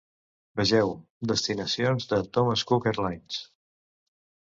"Vegeu: destinacions de Thomas Cook Airlines"